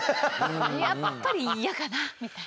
やっぱりイヤかなみたいな。